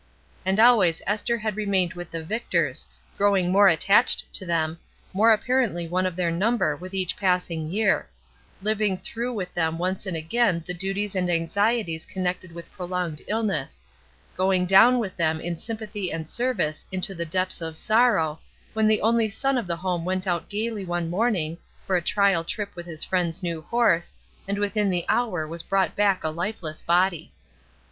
And always Esther had remained with the 280 ESTER RIED^S NAMESAKE Victors, growing more attached to them, more apparently one of their number with each pass ing year; living through with them once and again the duties and anxieties connected with prolonged illness; going down with them in sympathy and service into the depths of sorrow, when the only son of the home went out gayly one morning, for a trial trip with his friend's new horse, and within the hour was brought back a Hfeless body.